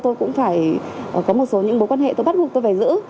tôi cũng phải có một số những mối quan hệ tôi bắt buộc tôi phải giữ